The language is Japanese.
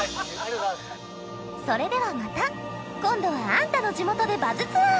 それではまた今度はアンタの地元でバズツアー！